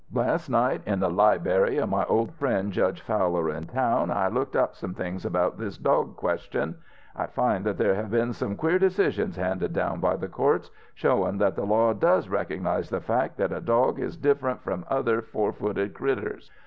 "Last night in the libery of my old friend Judge Fowler in town, I looked up some things about this dog question. I find that there have been some queer decisions handed down by the courts, showin' that the law does recognize the fact that a dog is different from other four footed critters.